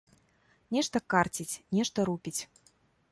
Нешта карціць, нешта рупіць.